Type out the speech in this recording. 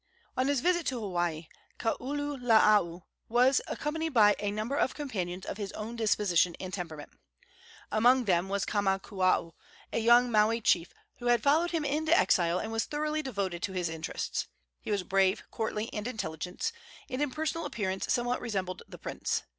On his visit to Hawaii, Kaululaau was accompanied by a number of companions of his own disposition and temperament. Among them was Kamakaua, a young Maui chief, who had followed him into exile and was thoroughly devoted to his interests. He was brave, courtly and intelligent, and in personal appearance somewhat resembled the prince.